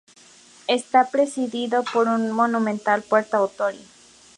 Está presidido por una monumental puerta o torii.